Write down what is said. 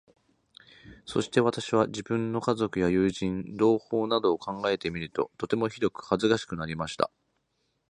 そして私は、自分の家族や友人、同胞などを考えてみると、とてもひどく恥かしくなりました。